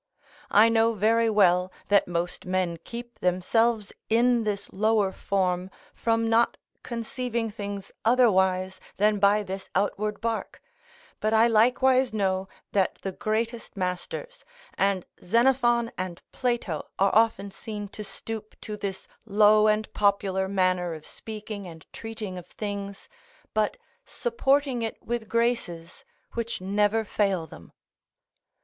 I know very well that most men keep themselves in this lower form from not conceiving things otherwise than by this outward bark; but I likewise know that the greatest masters, and Xenophon and Plato are often seen to stoop to this low and popular manner of speaking and treating of things, but supporting it with graces which never fail them.